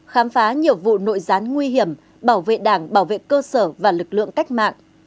khám phá nhiều vụ nội gián nguy hiểm bảo vệ đảng bảo vệ cơ sở và lực lượng cách mạng